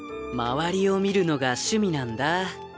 周りを見るのが趣味なんだ。